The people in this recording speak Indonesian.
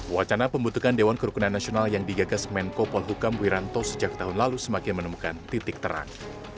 wacana pembentukan dewan kerukunan nasional yang digagas menko polhukam wiranto sejak tahun lalu semakin menemukan titik terang